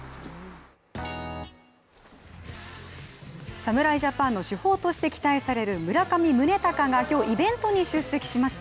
侍ジャパンの主砲として期待される村上宗隆が今日、イベントに出席しました。